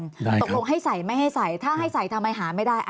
ตกลงให้ใส่ไม่ให้ใส่ถ้าให้ใส่ทำไมหาไม่ได้